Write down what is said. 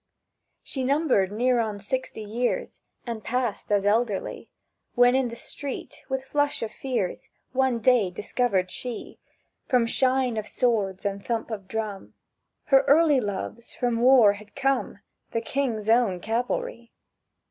She numbered near on sixty years, And passed as elderly, When, in the street, with flush of fears, One day discovered she, From shine of swords and thump of drum. Her early loves from war had come, The King's Own Cavalry.